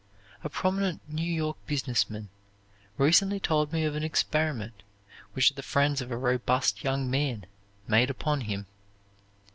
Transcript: A prominent New York business man recently told me of an experiment which the friends of a robust young man made upon him.